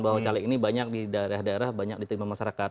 bahwa caleg ini banyak di daerah daerah banyak diterima masyarakat